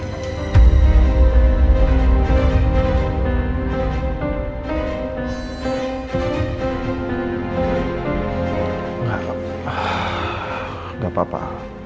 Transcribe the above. enggak pak enggak apa apa